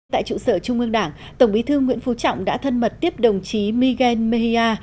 tại trụ sở trung ương đảng tổng bí thư nguyễn phú trọng đã thân mật tiếp đồng chí miguel mea